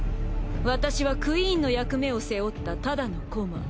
私はクイーンの役目を背負ったただの駒。